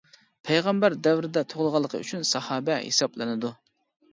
پەيغەمبەر دەۋرىدە تۇغۇلغانلىقى ئۈچۈن ساھابە ھېسابلىنىدۇ.